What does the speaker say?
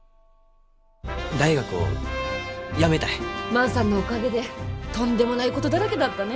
万さんのおかげでとんでもないことだらけだったね。